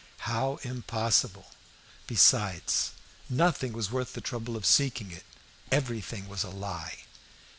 how impossible! Besides, nothing was worth the trouble of seeking it; everything was a lie.